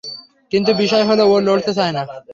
কিন্তু বিষয় হলো, ও লড়তে চায় না।